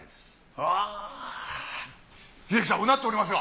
英樹さんうなっておりますが。